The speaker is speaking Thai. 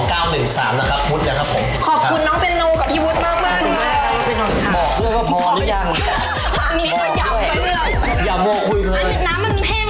เข้ามาคุณไออิตสักสองชั่วโมง